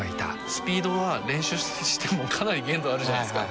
スピードは練習してもかなり限度あるじゃないですか